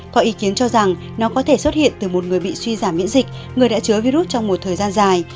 có ý kiến cho rằng nó có thể xuất hiện từ một người bị suy giảm miễn dịch người đã chứa virus trong một thời gian dài